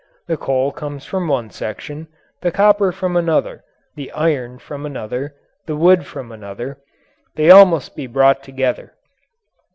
The coal comes from one section, the copper from another, the iron from another, the wood from another they must all be brought together.